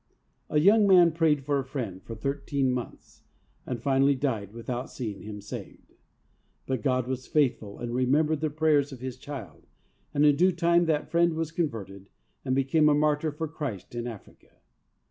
A young man prayed for a friend for thirteen months, and finally died without seeing him saved. But God was faithful and remembered the prayers of His child, and in due time that friend was converted, and became a martyr for Christ in Africa.